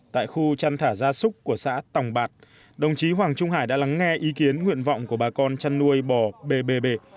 tại khu chăn thả ra súc của xã tòng bạc đồng chí hoàng trung hải đã lắng nghe ý kiến nguyện vọng của bà con chăn nuôi bò bbb